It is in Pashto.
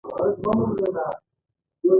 لکه امریکا، کاناډا او اسټرالیا نن ډېر شتمن دي.